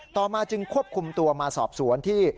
ต่อมาจึงควบคุมตัวมาสอบสวนที่